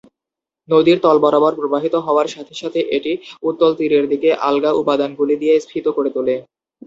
নদীর তল বরাবর প্রবাহিত হওয়ার সাথে সাথে, এটি উত্তল তীরের দিকে আলগা উপাদানগুলি দিয়ে স্ফীত করে তোলে।